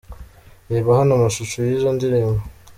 Reba hano amashusho y’izo ndirimbo :.